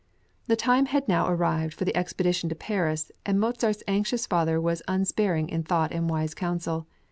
The time had now arrived for the expedition to Paris, and Mozart's anxious father was unsparing in thought and wise counsel.